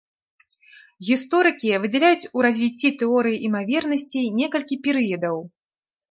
Гісторыкі выдзяляюць у развіцці тэорыі імавернасцей некалькі перыядаў.